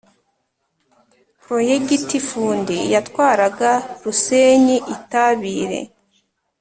Proyegiti Fundi yatwaraga Rusenyi-Itabire.